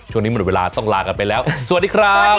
หมดเวลาต้องลากันไปแล้วสวัสดีครับ